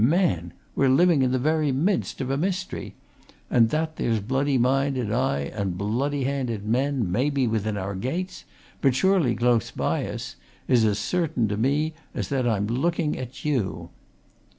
Man! we're living in the very midst of a mystery and that there's bloody minded, aye, and bloody handed men, maybe within our gates, but surely close by us, is as certain to me as that I'm looking at you!"